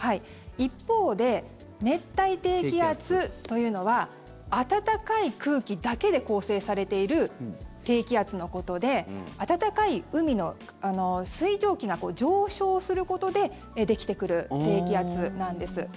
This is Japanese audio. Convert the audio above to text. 一方で、熱帯低気圧というのは暖かい空気だけで構成されている低気圧のことで温かい海の水蒸気が上昇することでできてくる低気圧なんです。